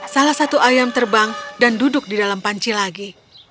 salah satu ayam terbang dan duduk di dalam panci lagi